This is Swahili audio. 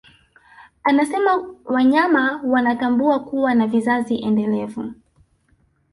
Anasema wanyama wanatambua kuwa na vizazi endelevu